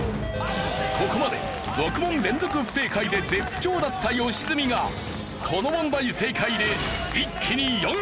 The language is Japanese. ここまで６問連続不正解で絶不調だった良純がこの問題正解で。